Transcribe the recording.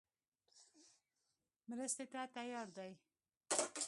مرستې ته تیار دی.